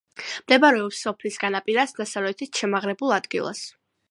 მდებარეობს სოფლის განაპირას, დასავლეთით, შემაღლებულ ადგილას.